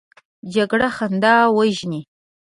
جګړه خندا وژني